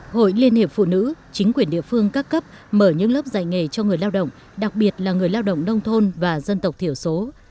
hội liên hiệp phụ nữ chính quyền địa phương các cấp mở những lớp dạy nghề cho người lao động đặc biệt là người lao động nông thôn và dân tộc thiểu số